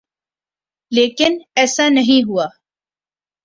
لیکن ایسا نہیں ہوا۔